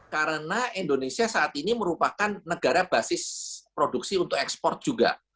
karena indonesia saat ini merupakan negara basis produksi untuk ekspor juga